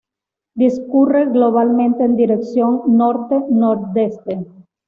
Discurre globalmente en dirección norte-nordeste.